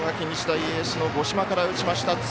日大エースの五島から打ちました。